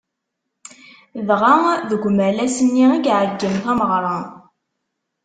Dɣa deg umalas-nni i iɛeggen tameɣra.